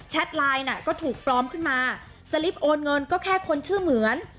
ไลน์น่ะก็ถูกปลอมขึ้นมาสลิปโอนเงินก็แค่คนชื่อเหมือน